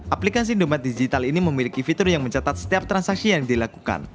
aplikasi domet digital ini memiliki fitur yang mencatat setiap transaksi yang dilakukan